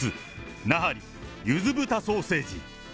奈半利、ゆず豚ソーセージ。